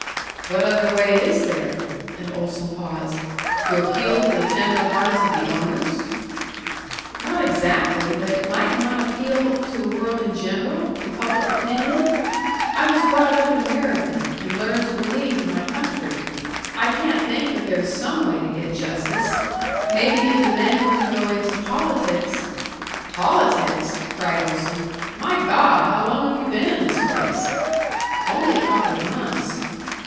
"What other way is there?" And Olson paused. "To appeal to the tender hearts of the owners?" "Not exactly; but mightn't one appeal to the world in general to public opinion? I was brought up an American, and learned to believe in my country. I can't think but there's some way to get justice. Maybe if the men were to go into politics " "Politics?" cried Olson. "My God! How long have you been in this place?" "Only a couple of months."